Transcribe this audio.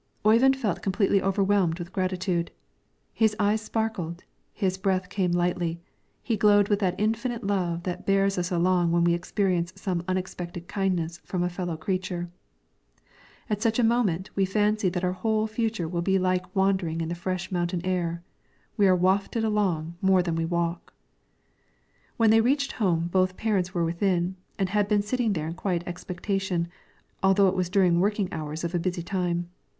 Oyvind felt completely overwhelmed with gratitude. His eyes sparkled, his breath came lightly, he glowed with that infinite love that bears us along when we experience some unexpected kindness from a fellow creature. At such a moment, we fancy that our whole future will be like wandering in the fresh mountain air; we are wafted along more than we walk. When they reached home both parents were within, and had been sitting there in quiet expectation, although it was during working hours of a busy time.